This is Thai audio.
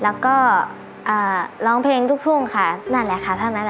แล้วก็ร้องเพลงทุกทุ่งค่ะนั่นแหละค่ะเท่านั้นแหละ